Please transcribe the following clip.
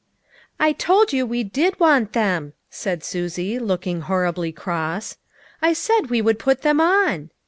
" I told you we did want them," said Susie, looking horribly cross. " I said we would put them on."